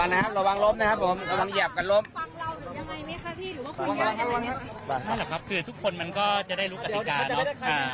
นั่นแหละครับคือทุกคนมันก็จะได้รู้กฎิกา